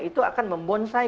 itu akan membonsai